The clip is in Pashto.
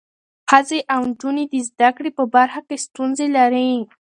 ښځې او نجونې د زده کړې په برخه کې ستونزې لري.